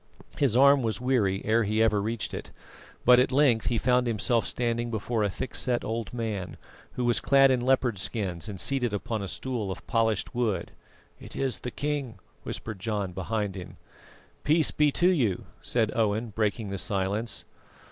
His arm was weary ere ever he reached it, but at length he found himself standing before a thickset old man, who was clad in leopard skins and seated upon a stool of polished wood. "It is the king," whispered John behind him. "Peace be to you," said Owen, breaking the silence.